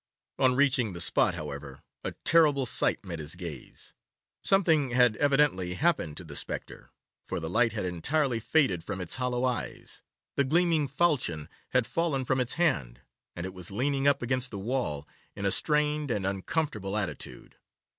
On reaching the spot, however, a terrible sight met his gaze. Something had evidently happened to the spectre, for the light had entirely faded from its hollow eyes, the gleaming falchion had fallen from its hand, and it was leaning up against the wall in a strained and uncomfortable attitude.